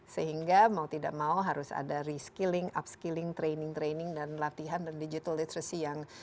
sehingga mau tidak mau harus ada reskilling upskilling training training dan latihan dan digital literacy yang